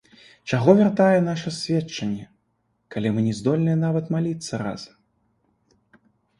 Чаго вартае наша сведчанне, калі мы не здольныя нават маліцца разам?